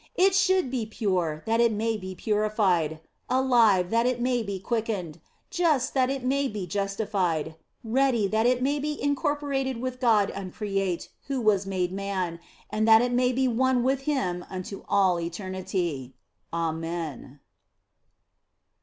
It should be pure, that it may be purified ; alive, that it may be quickened ; just, that it may be justified ; ready, that it may be incorporated with God uncreate who was made man, and that it may be one with Him unto all eternity. Amen.